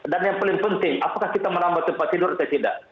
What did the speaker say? dan yang paling penting apakah kita menambah tempat tidur atau tidak